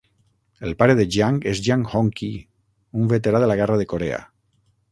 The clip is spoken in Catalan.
El pare de Jiang és Jiang Hongqi, un veterà de la guerra de Corea.